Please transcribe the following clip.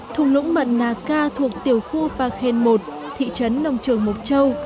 thùng lũng mận nà ca thuộc tiểu khu park hen một thị trấn long trường mộc châu